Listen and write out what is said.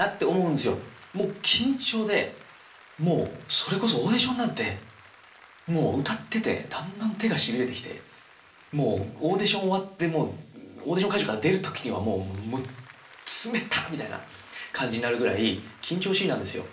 もう緊張でそれこそオーディションなんてもう歌っててだんだん手がしびれてきてもうオーディション終わってオーディション会場から出る時にはもう冷たっみたいな感じになるぐらい緊張しいなんですよ。